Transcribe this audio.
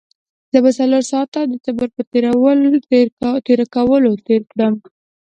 زه به څلور ساعته د تبر په تېره کولو تېر کړم.